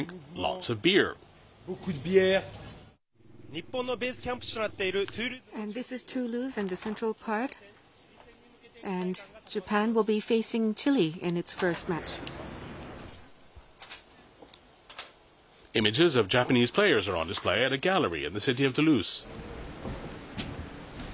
日本のベースキャンプ地となっているトゥールーズの中心部です。